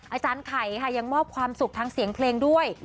อาจารย์ไข่ค่ะยังมอบความสุขทั้งเสียงเพลงด้วย